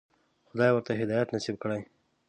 خدای ورته هدایت نصیب کړی.